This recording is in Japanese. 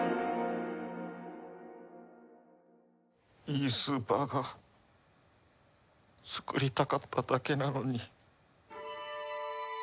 いいスーパーが作りたかっただけなのに。